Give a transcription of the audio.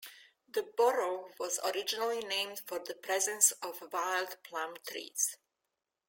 The borough was originally named for the presence of wild plum trees.